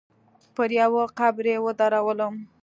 پر يوه قبر يې ودرولم.